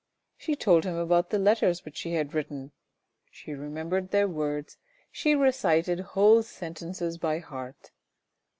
She told him about the letters which she had written, she remembered their very words, she recited whole sentences by heart.